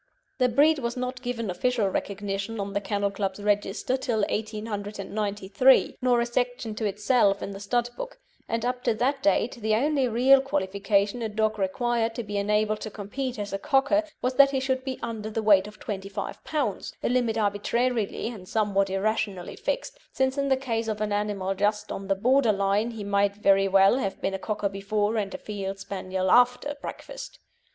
The breed was not given official recognition on the Kennel Club's register till 1893, nor a section to itself in the Stud Book; and up to that date the only real qualification a dog required to be enabled to compete as a Cocker was that he should be under the weight of 25 lb., a limit arbitrarily and somewhat irrationally fixed, since in the case of an animal just on the border line he might very well have been a Cocker before and a Field Spaniel after breakfast.